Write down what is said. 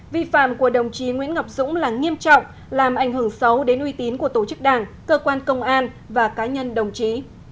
vi phạm của đồng chí nguyễn ngọc dũng là nghiêm trọng làm ảnh hưởng xấu đến uy tín của tổ chức đảng cơ quan công an và cá nhân đồng chí